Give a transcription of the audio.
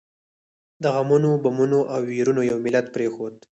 د غمونو، بمونو او ويرونو یو ملت پرېښود.